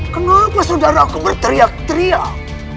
kenapa saudaraku berteriak teriak